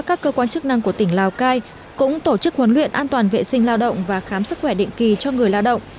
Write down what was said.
các cơ quan chức năng của tỉnh lào cai cũng tổ chức huấn luyện an toàn vệ sinh lao động và khám sức khỏe định kỳ cho người lao động